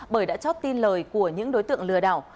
bởi đã chót tin lời của những đối tượng lừa đảo